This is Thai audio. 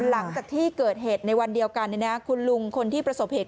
หลังจากที่เกิดเหตุในวันเดียวกันคุณลุงคนที่ประสบเหตุ